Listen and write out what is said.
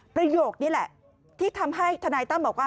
ประโยคนี้แหละที่ทำให้ทนายตั้มบอกว่า